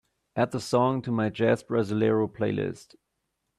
Add the song to my jazz brasileiro playlist.